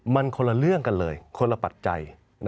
มันคนละเรื่องกันเลยคนละปัจจัย